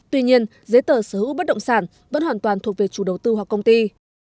tuy nhiên giấy tờ sở hữu bất động sản vẫn hoàn toàn thuộc về chủ đầu tư hoặc công ty